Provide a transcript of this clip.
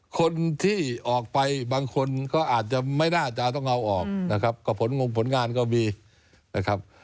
คนที่ออกไปบางคนก็อาจจะไม่น่าจะต้องเอาออกนะครับก็ผลงผลงานก็มีนะครับ